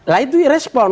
nah itu respon